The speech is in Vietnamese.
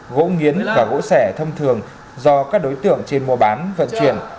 gỗ nghiến và gỗ sẻ thông thường do các đối tượng trên mua bán vận chuyển